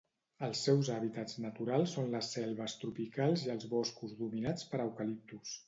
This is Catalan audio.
Els seus hàbitats naturals són les selves tropicals i els boscos dominats per eucaliptus.